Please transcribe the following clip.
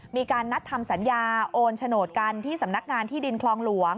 มีการนัดทำสัญญาโอนโฉนดกันที่สำนักงานที่ดินคลองหลวง